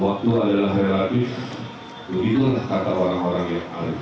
waktu adalah heratif begitu adalah kata orang orang yang hari ini